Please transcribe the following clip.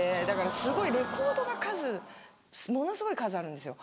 すごいレコードが数ものすごい数あるんですよ。